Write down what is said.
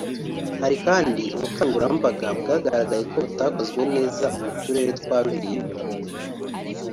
Hari kandi ubukangurambaga bwagaragaye ko butakozwe neza mu turere twa Rulindo